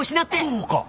そうか！